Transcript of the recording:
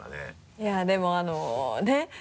いやでもあのね。